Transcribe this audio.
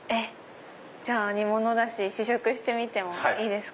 じゃあ煮物だし試食してみてもいいですか？